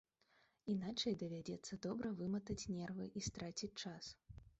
Іначай давядзецца добра выматаць нервы і страціць час.